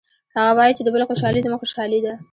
هغه وایي چې د بل خوشحالي زموږ خوشحالي ده